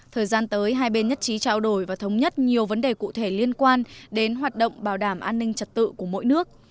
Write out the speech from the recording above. thời gian tới hai bên nhất trí trao đổi và thống nhất nhiều vấn đề cụ thể liên quan đến hoạt động bảo đảm an ninh trật tự của mỗi nước